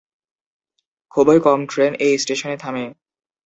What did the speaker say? খুবই কম ট্রেন এই স্টেশনে থামে।